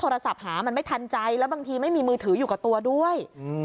โทรศัพท์หามันไม่ทันใจแล้วบางทีไม่มีมือถืออยู่กับตัวด้วย